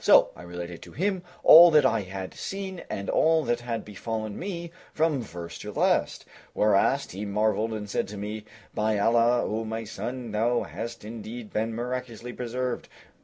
So I related to him all that I had seen and all that had befallen me from first to last, whereat he marveled and said to me, "By Allah, O my son, thou hast indeed been miraculously preserved!